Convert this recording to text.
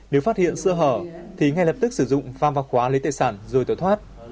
nếu phát hiện sơ hở thì ngay lập tức sử dụng pham vạc quá lấy tài sản rồi tỏa thoát